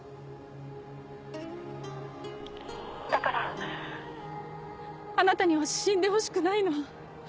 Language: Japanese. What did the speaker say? だからあなたには死んでほしくないの。